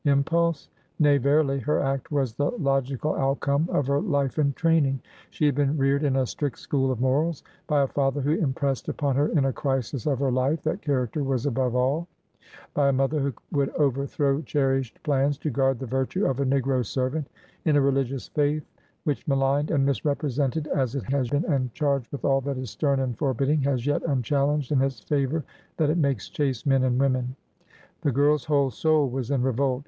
Impulse? Nay, verily! her act was the logical outcome of her life and training. She had been reared in a strict school of morals; by a father who im pressed upon her in a crisis of her life that character was above all ; by a mother who would overthrow cherished plans to guard the virtue of a negro servant ; in a religious faith which maligned and misrepresented as it has been and charged with all that is stern and forbidding, has yet unchallenged in its favor that it makes chaste men and women. The girl's whole soul was in revolt.